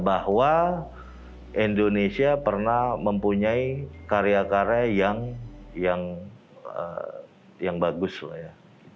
bahwa indonesia pernah mempunyai karya karya yang bagus lah ya